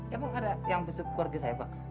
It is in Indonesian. ya pak gak ada yang bersyukur ke saya pak